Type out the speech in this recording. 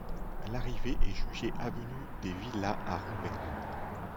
L'arrivée est jugée avenue des Villas, à Roubaix.